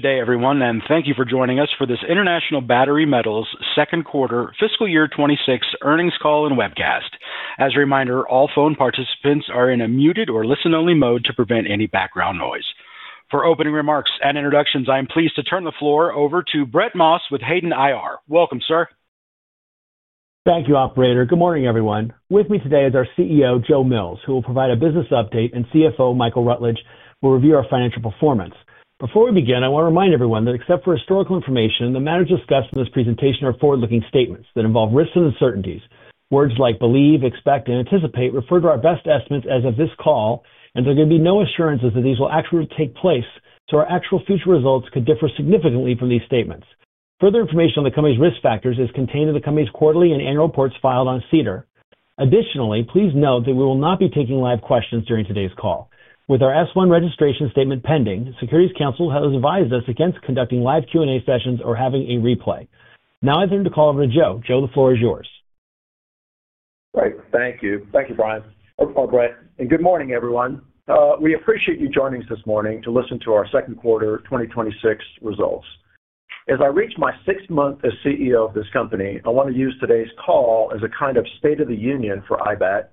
Today, everyone, and thank you for joining us for this International Battery Metals' Second Quarter Fiscal Year 2026 Earnings Call and Webcast. As a reminder, all phone participants are in a muted or listen-only mode to prevent any background noise. For opening remarks and introductions, I'm pleased to turn the floor over to Brett Moss with Hayden IR. Welcome, sir. Thank you, Operator. Good morning, everyone. With me today is our CEO, Joe Mills, who will provide a business update, and CFO, Michael Rutledge, will review our financial performance. Before we begin, I want to remind everyone that, except for historical information, the matters discussed in this presentation are forward-looking statements that involve risks and uncertainties. Words like believe, expect, and anticipate refer to our best estimates as of this call, and there are going to be no assurances that these will actually take place, so our actual future results could differ significantly from these statements. Further information on the company's risk factors is contained in the company's quarterly and annual reports filed on SEDAR. Additionally, please note that we will not be taking live questions during today's call. With our S-1 registration statement pending, Securities Counsel has advised us against conducting live Q&A sessions or having a replay. Now I turn the call over to Joe. Joe, the floor is yours. Great. Thank you. Thank you, Brian. Okay, Brett. Good morning, everyone. We appreciate you joining us this morning to listen to our second quarter 2026 results. As I reach my sixth month as CEO of this company, I want to use today's call as a kind of state of the union for IBAT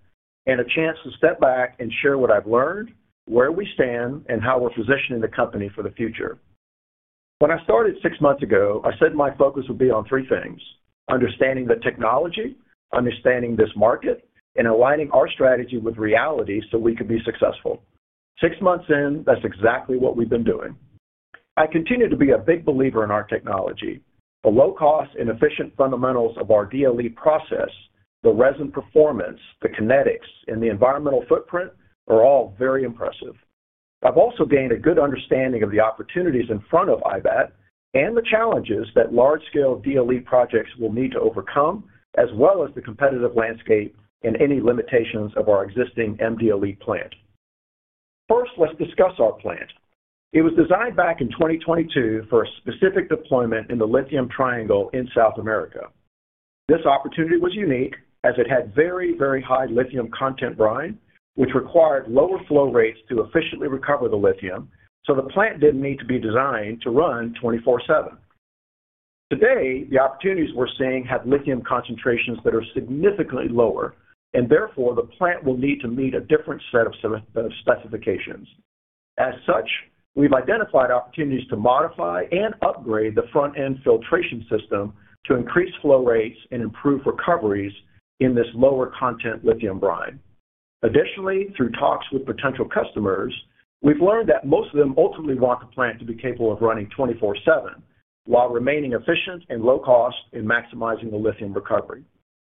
and a chance to step back and share what I've learned, where we stand, and how we're positioning the company for the future. When I started six months ago, I said my focus would be on three things: understanding the technology, understanding this market, and aligning our strategy with reality so we could be successful. Six months in, that's exactly what we've been doing. I continue to be a big believer in our technology. The low-cost and efficient fundamentals of our DLE process, the resin performance, the kinetics, and the environmental footprint are all very impressive. I've also gained a good understanding of the opportunities in front of IBAT and the challenges that large-scale DLE projects will need to overcome, as well as the competitive landscape and any limitations of our existing MDLE plant. First, let's discuss our plant. It was designed back in 2022 for a specific deployment in the Lithium Triangle in South America. This opportunity was unique as it had very, very high lithium content, Brian, which required lower flow rates to efficiently recover the lithium, so the plant didn't need to be designed to run 24/7. Today, the opportunities we're seeing have lithium concentrations that are significantly lower, and therefore the plant will need to meet a different set of specifications. As such, we've identified opportunities to modify and upgrade the front-end filtration system to increase flow rates and improve recoveries in this lower-content lithium brine. Additionally, through talks with potential customers, we've learned that most of them ultimately want the plant to be capable of running 24/7 while remaining efficient and low-cost in maximizing the lithium recovery.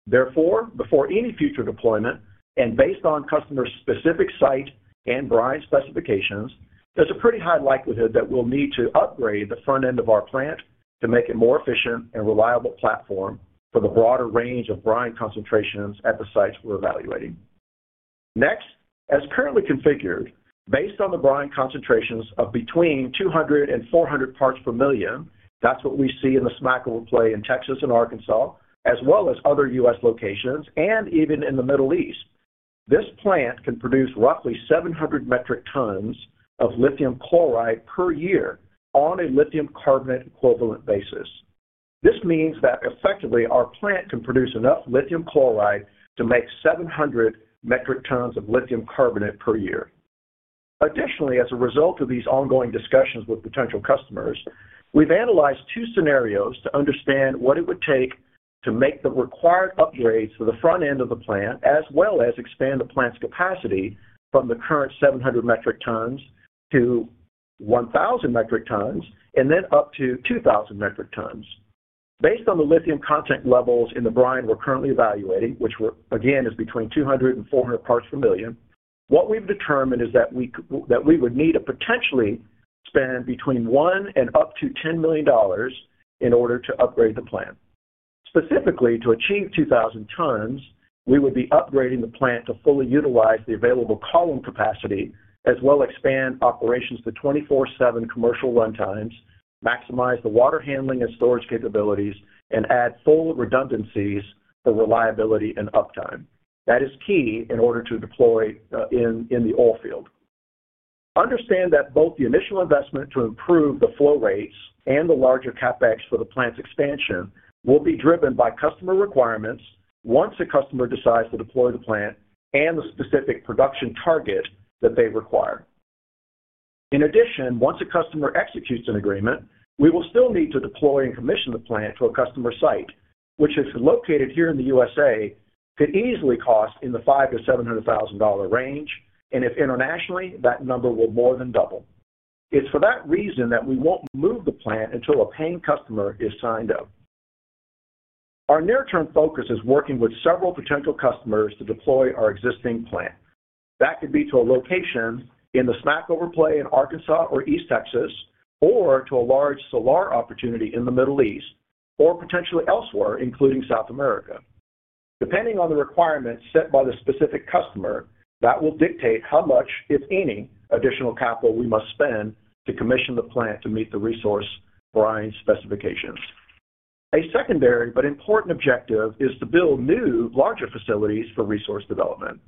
Therefore, before any future deployment, and based on customer-specific site and brine specifications, there's a pretty high likelihood that we'll need to upgrade the front end of our plant to make it a more efficient and reliable platform for the broader range of brine concentrations at the sites we're evaluating. Next, as currently configured, based on the brine concentrations of between 200 and 400 parts per million, that's what we see in the Smackover play in Texas and Arkansas, as well as other U.S. locations, and even in the Middle East. This plant can produce roughly 700 metric tons of lithium chloride per year on a lithium carbonate equivalent basis. This means that effectively our plant can produce enough lithium chloride to make 700 metric tons of lithium carbonate per year. Additionally, as a result of these ongoing discussions with potential customers, we've analyzed two scenarios to understand what it would take to make the required upgrades for the front end of the plant, as well as expand the plant's capacity from the current 700 metric tons to 1,000 metric tons, and then up to 2,000 metric tons. Based on the lithium content levels in the brine we're currently evaluating, which again is between 200 and 400 parts per million, what we've determined is that we would need to potentially spend between $1 million and up to $10 million in order to upgrade the plant. Specifically, to achieve 2,000 tons, we would be upgrading the plant to fully utilize the available column capacity, as well as expand operations to 24/7 commercial runtimes, maximize the water handling and storage capabilities, and add full redundancies for reliability and uptime. That is key in order to deploy in the oil field. Understand that both the initial investment to improve the flow rates and the larger CapEx for the plant's expansion will be driven by customer requirements once a customer decides to deploy the plant and the specific production target that they require. In addition, once a customer executes an agreement, we will still need to deploy and commission the plant to a customer's site, which, if located here in the U.S.A., could easily cost in the $500,000-$700,000 range, and if internationally, that number will more than double. It's for that reason that we won't move the plant until a paying customer is signed up. Our near-term focus is working with several potential customers to deploy our existing plant. That could be to a location in the Smackover play in Arkansas or East Texas, or to a large solar opportunity in the Middle East, or potentially elsewhere, including South America. Depending on the requirements set by the specific customer, that will dictate how much, if any, additional capital we must spend to commission the plant to meet the resource brine specifications. A secondary but important objective is to build new, larger facilities for resource development.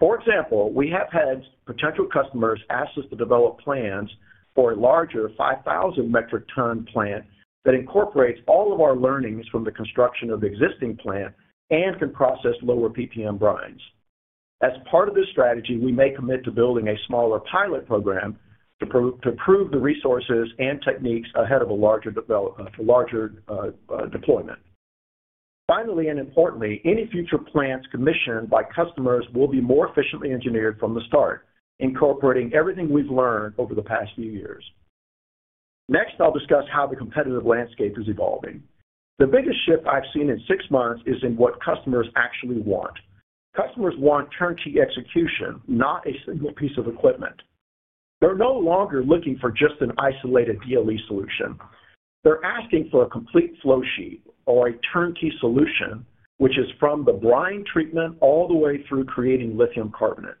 For example, we have had potential customers ask us to develop plans for a larger 5,000 metric ton plant that incorporates all of our learnings from the construction of the existing plant and can process lower PPM brines. As part of this strategy, we may commit to building a smaller pilot program to prove the resources and techniques ahead of a larger deployment. Finally, and importantly, any future plants commissioned by customers will be more efficiently engineered from the start, incorporating everything we've learned over the past few years. Next, I'll discuss how the competitive landscape is evolving. The biggest shift I've seen in six months is in what customers actually want. Customers want turnkey execution, not a single piece of equipment. They're no longer looking for just an isolated DLE solution. They're asking for a complete flow sheet or a turnkey solution, which is from the brine treatment all the way through creating lithium carbonate.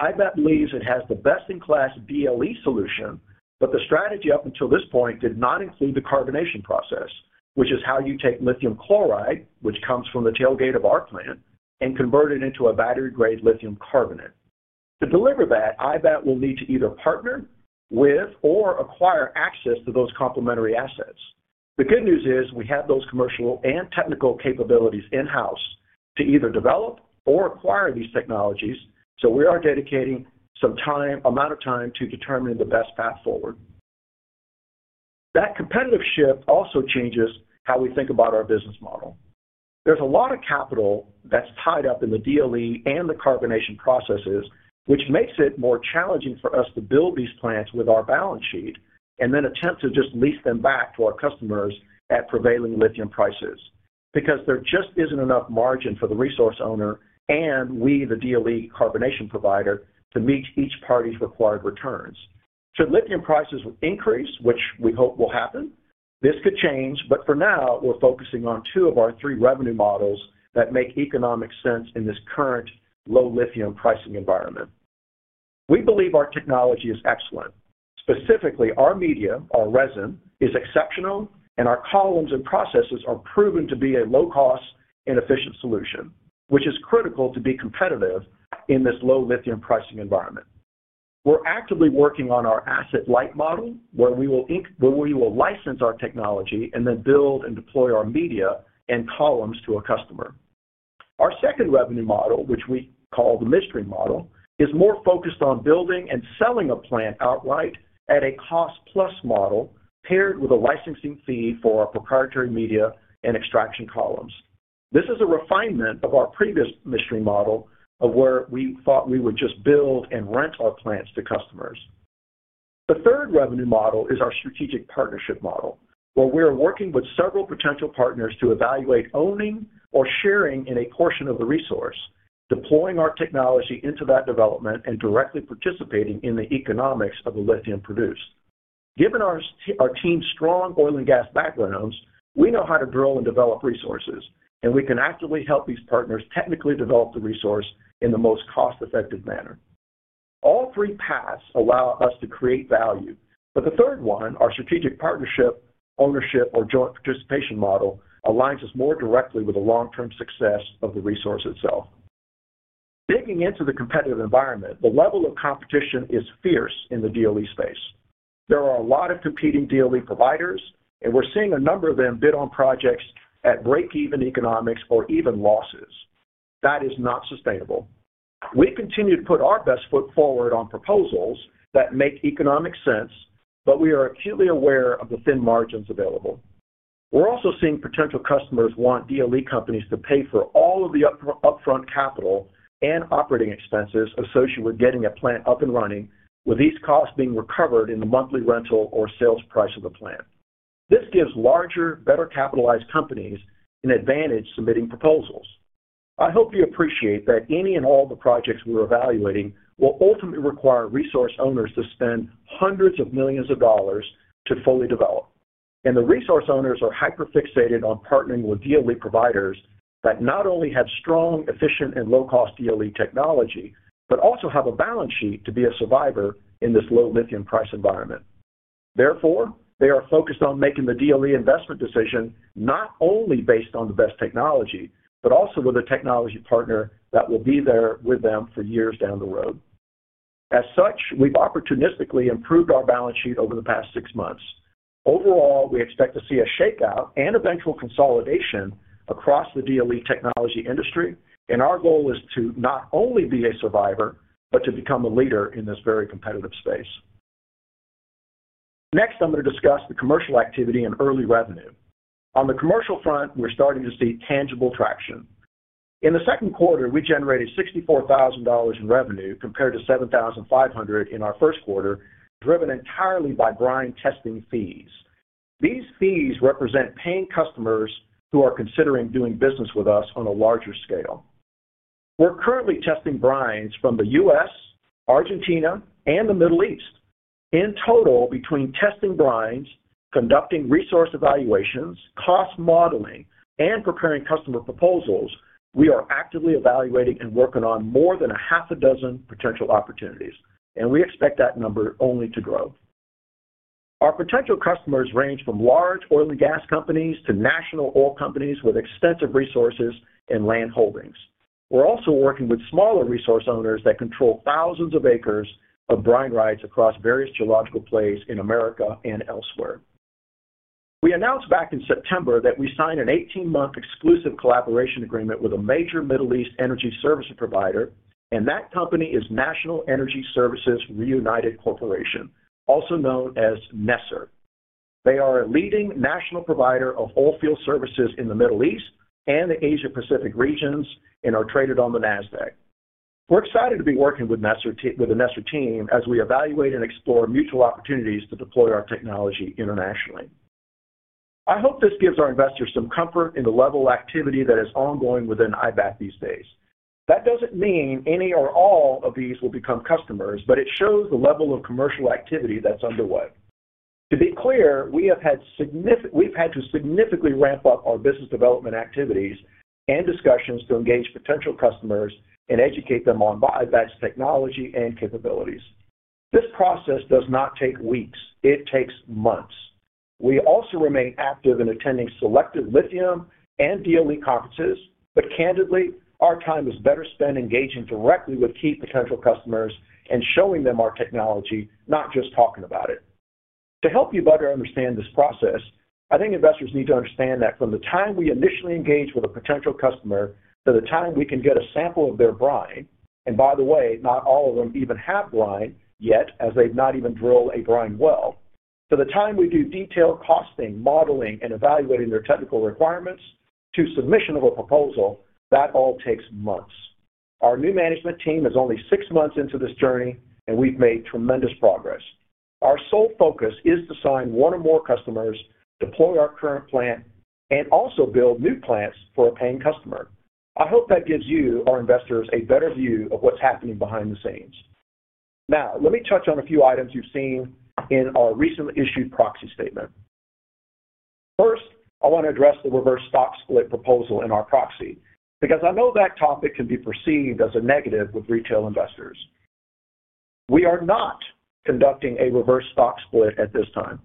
IBAT believes it has the best-in-class DLE solution, but the strategy up until this point did not include the carbonation process, which is how you take lithium chloride, which comes from the tailgate of our plant, and convert it into a battery-grade lithium carbonate. To deliver that, IBAT will need to either partner with or acquire access to those complementary assets. The good news is we have those commercial and technical capabilities in-house to either develop or acquire these technologies, so we are dedicating some amount of time to determining the best path forward. That competitive shift also changes how we think about our business model. There's a lot of capital that's tied up in the DLE and the carbonation processes, which makes it more challenging for us to build these plants with our balance sheet and then attempt to just lease them back to our customers at prevailing lithium prices because there just isn't enough margin for the resource owner and we, the DLE carbonation provider, to meet each party's required returns. Should lithium prices increase, which we hope will happen, this could change, but for now, we're focusing on two of our three revenue models that make economic sense in this current low-lithium pricing environment. We believe our technology is excellent. Specifically, our media, our resin, is exceptional, and our columns and processes are proven to be a low-cost and efficient solution, which is critical to be competitive in this low-lithium pricing environment. We're actively working on our asset light model, where we will license our technology and then build and deploy our media and columns to a customer. Our second revenue model, which we call the mystery model, is more focused on building and selling a plant outright at a cost-plus model paired with a licensing fee for our proprietary media and extraction columns. This is a refinement of our previous mystery model of where we thought we would just build and rent our plants to customers. The third revenue model is our strategic partnership model, where we are working with several potential partners to evaluate owning or sharing in a portion of the resource, deploying our technology into that development, and directly participating in the economics of the lithium produced. Given our team's strong oil and gas backgrounds, we know how to drill and develop resources, and we can actively help these partners technically develop the resource in the most cost-effective manner. All three paths allow us to create value, but the third one, our strategic partnership, ownership, or joint participation model aligns us more directly with the long-term success of the resource itself. Digging into the competitive environment, the level of competition is fierce in the DLE space. There are a lot of competing DLE providers, and we're seeing a number of them bid on projects at break-even economics or even losses. That is not sustainable. We continue to put our best foot forward on proposals that make economic sense, but we are acutely aware of the thin margins available. We're also seeing potential customers want DLE companies to pay for all of the upfront capital and operating expenses associated with getting a plant up and running, with these costs being recovered in the monthly rental or sales price of the plant. This gives larger, better-capitalized companies an advantage submitting proposals. I hope you appreciate that any and all the projects we're evaluating will ultimately require resource owners to spend hundreds of millions of dollars to fully develop. The resource owners are hyper-fixated on partnering with DLE providers that not only have strong, efficient, and low-cost DLE technology, but also have a balance sheet to be a survivor in this low-lithium price environment. Therefore, they are focused on making the DLE investment decision not only based on the best technology, but also with a technology partner that will be there with them for years down the road. As such, we've opportunistically improved our balance sheet over the past six months. Overall, we expect to see a shakeout and eventual consolidation across the DLE technology industry, and our goal is to not only be a survivor, but to become a leader in this very competitive space. Next, I'm going to discuss the commercial activity and early revenue. On the commercial front, we're starting to see tangible traction. In the second quarter, we generated $64,000 in revenue compared to $7,500 in our first quarter, driven entirely by brine testing fees. These fees represent paying customers who are considering doing business with us on a larger scale. We're currently testing brines from the U.S., Argentina, and the Middle East. In total, between testing brines, conducting resource evaluations, cost modeling, and preparing customer proposals, we are actively evaluating and working on more than half a dozen potential opportunities, and we expect that number only to grow. Our potential customers range from large oil and gas companies to national oil companies with extensive resources and land holdings. We're also working with smaller resource owners that control thousands of acres of brine rights across various geological plays in America and elsewhere. We announced back in September that we signed an 18-month exclusive collaboration agreement with a major Middle East energy services provider, and that company is National Energy Services Reunited Corporation, also known as NESR. They are a leading national provider of oil field services in the Middle East and the Asia-Pacific regions and are traded on the NASDAQ. We're excited to be working with the NESR team as we evaluate and explore mutual opportunities to deploy our technology internationally. I hope this gives our investors some comfort in the level of activity that is ongoing within IBAT these days. That doesn't mean any or all of these will become customers, but it shows the level of commercial activity that's underway. To be clear, we have had to significantly ramp up our business development activities and discussions to engage potential customers and educate them on IBAT's technology and capabilities. This process does not take weeks, it takes months. We also remain active in attending selective lithium and DLE conferences, but candidly, our time is better spent engaging directly with key potential customers and showing them our technology, not just talking about it. To help you better understand this process, I think investors need to understand that from the time we initially engage with a potential customer to the time we can get a sample of their brine, and by the way, not all of them even have brine yet as they've not even drilled a brine well, to the time we do detailed costing, modeling, and evaluating their technical requirements to submission of a proposal, that all takes months. Our new management team is only six months into this journey, and we've made tremendous progress. Our sole focus is to sign one or more customers, deploy our current plant, and also build new plants for a paying customer. I hope that gives you, our investors, a better view of what's happening behind the scenes. Now, let me touch on a few items you've seen in our recently issued proxy statement. First, I want to address the reverse stock split proposal in our proxy because I know that topic can be perceived as a negative with retail investors. We are not conducting a reverse stock split at this time.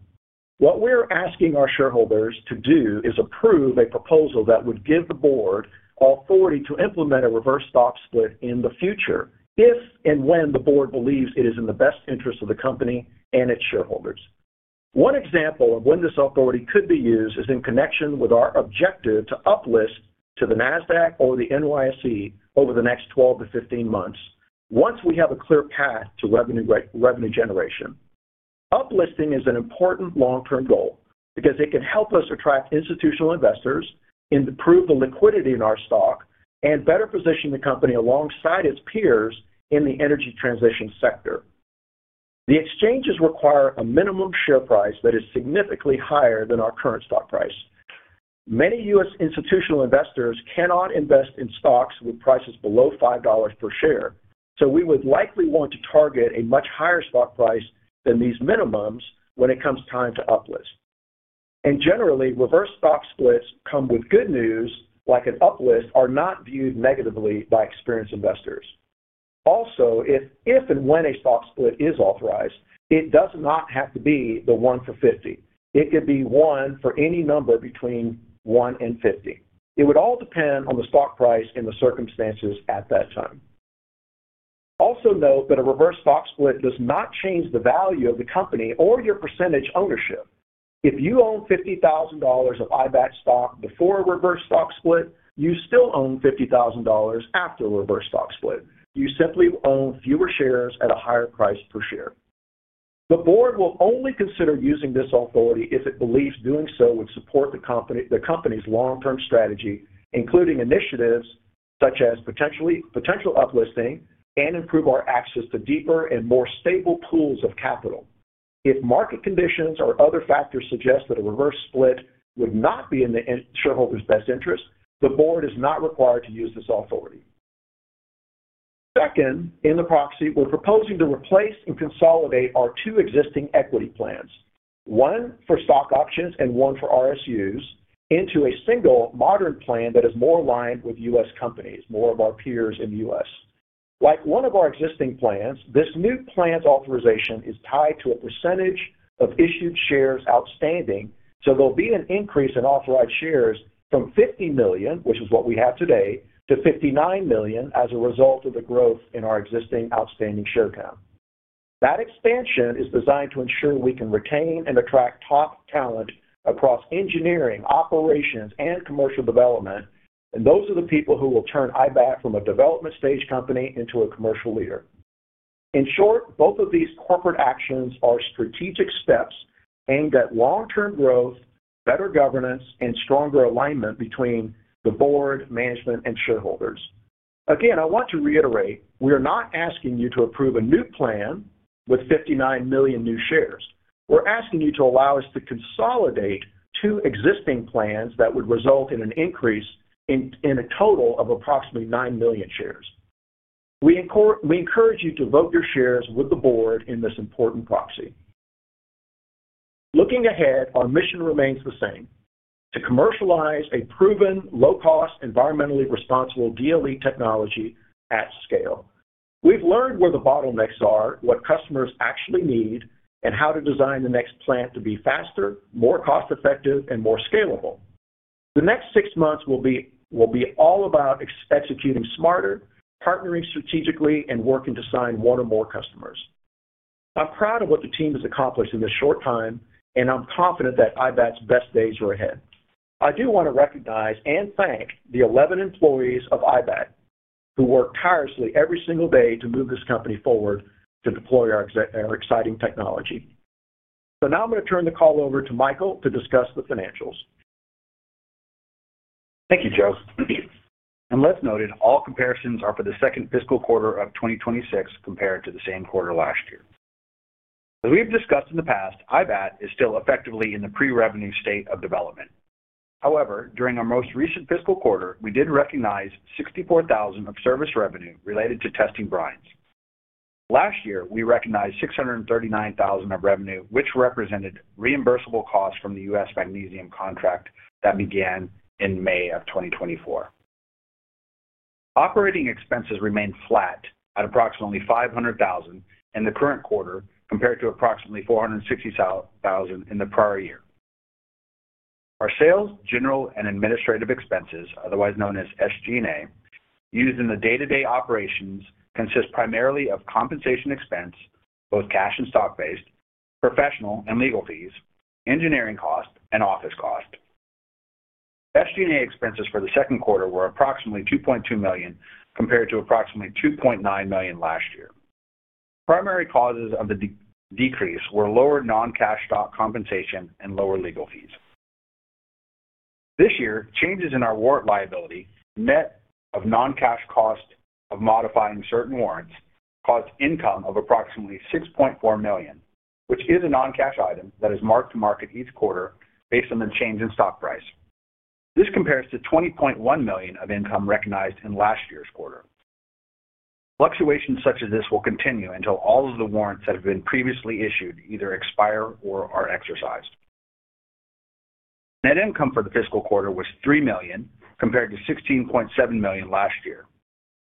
What we're asking our shareholders to do is approve a proposal that would give the board authority to implement a reverse stock split in the future if and when the board believes it is in the best interest of the company and its shareholders. One example of when this authority could be used is in connection with our objective to uplist to the NASDAQ or the NYSE over the next 12-15 months once we have a clear path to revenue generation. Uplisting is an important long-term goal because it can help us attract institutional investors and improve the liquidity in our stock and better position the company alongside its peers in the energy transition sector. The exchanges require a minimum share price that is significantly higher than our current stock price. Many U.S. institutional investors cannot invest in stocks with prices below $5 per share, so we would likely want to target a much higher stock price than these minimums when it comes time to uplist. Generally, reverse stock splits that come with good news like an uplist are not viewed negatively by experienced investors. Also, if and when a stock split is authorized, it does not have to be one for 50. It could be one for any number between 1 and 50. It would all depend on the stock price and the circumstances at that time. Also note that a reverse stock split does not change the value of the company or your percentage ownership. If you own $50,000 of IBAT stock before a reverse stock split, you still own $50,000 after a reverse stock split. You simply own fewer shares at a higher price per share. The board will only consider using this authority if it believes doing so would support the company's long-term strategy, including initiatives such as potential uplisting and improve our access to deeper and more stable pools of capital. If market conditions or other factors suggest that a reverse split would not be in the shareholders' best interest, the board is not required to use this authority. Second, in the proxy, we're proposing to replace and consolidate our two existing equity plans, one for stock options and one for RSUs, into a single modern plan that is more aligned with U.S. companies, more of our peers in the U.S. Like one of our existing plans, this new plan's authorization is tied to a percentage of issued shares outstanding, so there'll be an increase in authorized shares from 50 million, which is what we have today, to 59 million as a result of the growth in our existing outstanding share count. That expansion is designed to ensure we can retain and attract top talent across engineering, operations, and commercial development, and those are the people who will turn IBAT from a development-stage company into a commercial leader. In short, both of these corporate actions are strategic steps aimed at long-term growth, better governance, and stronger alignment between the board, management, and shareholders. Again, I want to reiterate, we are not asking you to approve a new plan with 59 million new shares. We're asking you to allow us to consolidate two existing plans that would result in an increase in a total of approximately 9 million shares. We encourage you to vote your shares with the board in this important proxy. Looking ahead, our mission remains the same: to commercialize a proven, low-cost, environmentally responsible DLE technology at scale. We've learned where the bottlenecks are, what customers actually need, and how to design the next plant to be faster, more cost-effective, and more scalable. The next six months will be all about executing smarter, partnering strategically, and working to sign one or more customers. I'm proud of what the team has accomplished in this short time, and I'm confident that IBAT's best days are ahead. I do want to recognize and thank the 11 employees of IBAT who work tirelessly every single day to move this company forward to deploy our exciting technology. Now I'm going to turn the call over to Michael to discuss the financials. Thank you, Joe. Let's note that all comparisons are for the second fiscal quarter of 2026 compared to the same quarter last year. As we've discussed in the past, IBAT is still effectively in the pre-revenue state of development. However, during our most recent fiscal quarter, we did recognize $64,000 of service revenue related to testing brines. Last year, we recognized $639,000 of revenue, which represented reimbursable costs from the US Magnesium contract that began in May of 2024. Operating expenses remained flat at approximately $500,000 in the current quarter compared to approximately $460,000 in the prior year. Our sales, general, and administrative expenses, otherwise known as SG&A, used in the day-to-day operations consist primarily of compensation expense, both cash and stock-based, professional and legal fees, engineering cost, and office cost. SG&A expenses for the second quarter were approximately $2.2 million compared to approximately $2.9 million last year. Primary causes of the decrease were lower non-cash stock compensation and lower legal fees. This year, changes in our warrant liability, net of non-cash cost of modifying certain warrants, caused income of approximately $6.4 million, which is a non-cash item that is marked to market each quarter based on the change in stock price. This compares to $20.1 million of income recognized in last year's quarter. Fluctuations such as this will continue until all of the warrants that have been previously issued either expire or are exercised. Net income for the fiscal quarter was $3 million compared to $16.7 million last year,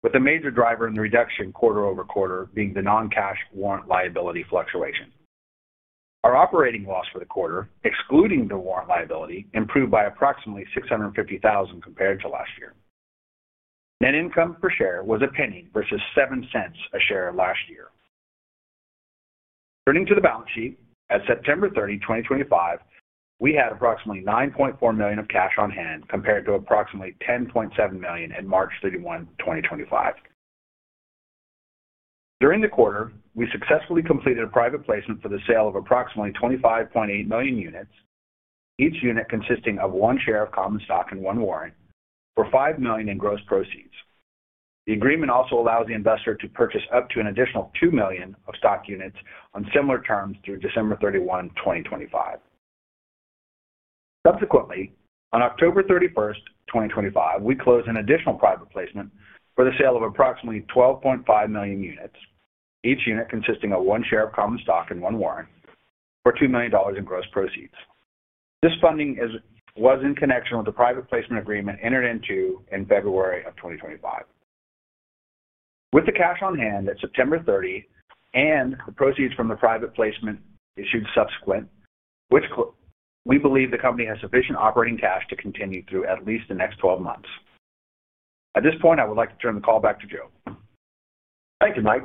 with a major driver in the reduction quarter over quarter being the non-cash warrant liability fluctuation. Our operating loss for the quarter, excluding the warrant liability, improved by approximately $650,000 compared to last year. Net income per share was $0.01 versus $0.07 a share last year. Turning to the balance sheet, as of September 30, 2025, we had approximately $9.4 million of cash on hand compared to approximately $10.7 million on March 31, 2025. During the quarter, we successfully completed a private placement for the sale of approximately 25.8 million units, each unit consisting of one share of common stock and one warrant, for $5 million in gross proceeds. The agreement also allows the investor to purchase up to an additional $2 million of stock units on similar terms through December 31, 2025. Subsequently, on October 31, 2025, we close an additional private placement for the sale of approximately 12.5 million units, each unit consisting of one share of common stock and one warrant, for $2 million in gross proceeds. This funding was in connection with the private placement agreement entered into in February of 2025. With the cash on hand at September 30 and the proceeds from the private placement issued subsequent, we believe the company has sufficient operating cash to continue through at least the next 12 months. At this point, I would like to turn the call back to Joe. Thank you, Mike.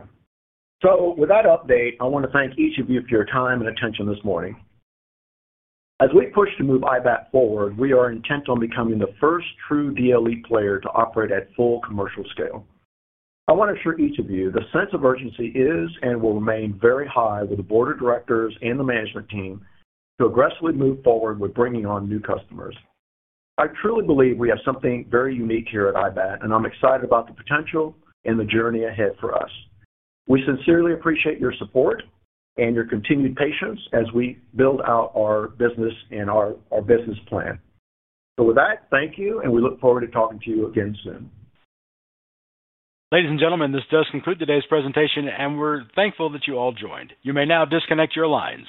With that update, I want to thank each of you for your time and attention this morning. As we push to move IBAT forward, we are intent on becoming the first true DLE player to operate at full commercial scale. I want to assure each of you the sense of urgency is and will remain very high with the Board of directors and the management team to aggressively move forward with bringing on new customers. I truly believe we have something very unique here at IBAT, and I'm excited about the potential and the journey ahead for us. We sincerely appreciate your support and your continued patience as we build out our business and our business plan. With that, thank you, and we look forward to talking to you again soon. Ladies and gentlemen, this does conclude today's presentation, and we're thankful that you all joined. You may now disconnect your lines.